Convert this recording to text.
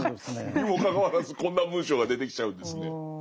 にもかかわらずこんな文章が出てきちゃうんですね。